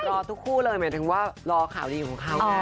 รอทุกคู่เลยหมายถึงว่ารอข่าวดีของเขาไง